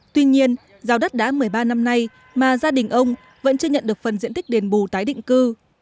tuy nhiên giao đất đã một mươi ba năm nay mà gia đình ông vẫn chưa nhận được phần diện tích đền bù tái định cư